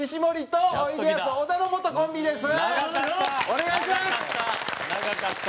お願いします。